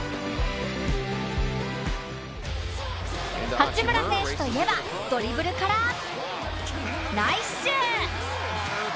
八村選手といえばドリブルからナイッシュー！